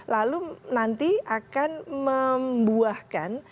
lalu nanti akan membuahkan